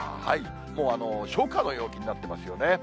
もう、初夏の陽気になってますよね。